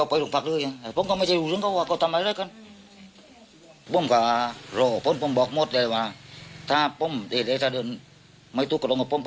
ผมไม่มีแน่แก้ก